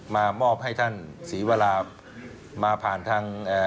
มามอบให้ท่านศรีวรามาผ่านทาง